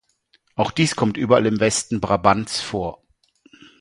Auch dies kommt überall im Westen Brabants vor.